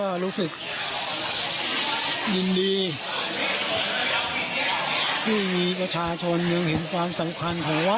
ก็รู้สึกยินดีที่มีประชาชนยังเห็นความสำคัญของวัด